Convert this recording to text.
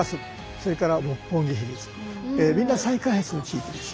それから六本木ヒルズみんな再開発の地域です。